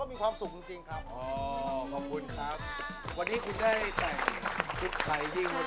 เป็นโชว์ที่มีความสุขมากแล้วทุกคนก็